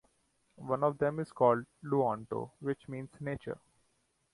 One of them is called "luonto", which means "nature".